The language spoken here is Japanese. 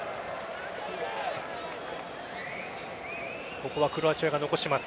ここはクロアチアが残します。